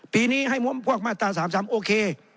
ปีนี้ให้ม้วนพวกมาตรา๓๓โอเค